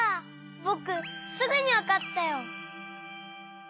ぼくすぐにわかったよ！